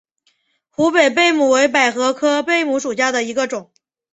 湖北贝母为百合科贝母属下的一个种。